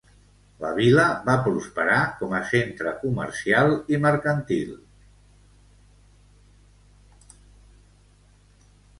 La vila va prosperar com a centre comercial i mercantil.